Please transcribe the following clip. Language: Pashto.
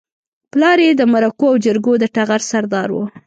پلار يې د مرکو او جرګو د ټغر سردار و.